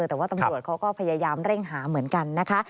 แต่ว่าตำรวจเขาก็พยายามเร่งหาเหมือนกันนะคะ